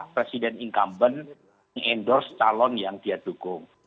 presiden incumbent mengendorse calon yang dia dukung